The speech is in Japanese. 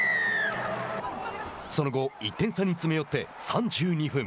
その後、１点差に詰め寄って３２分。